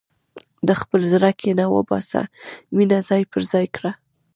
د خپل زړه کینه وباسه، مینه ځای پر ځای کړه.